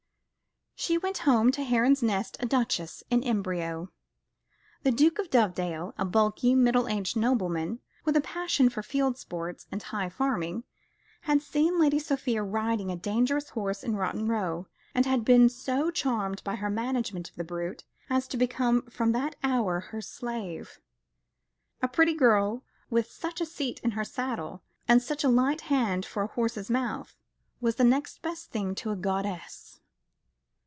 She went home to Heron's Nest a duchess in embryo. The Duke of Dovedale, a bulky, middle aged nobleman, with a passion for fieldsports and high farming, had seen Lady Sophia riding a dangerous horse in Rotten Row, and had been so charmed by her management of the brute, as to become from that hour her slave. A pretty girl, with such a seat in her saddle, and such a light hand for a horse's mouth, was the next best thing to a goddess.